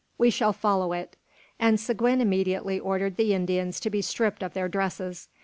We shall follow it." And Seguin immediately ordered the Indians to be stripped of their dresses.